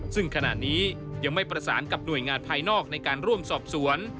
ซึ่งขณะนี้ยังไม่ประสานกับหน่วยงานภายนอกในการร่วมสอบสวน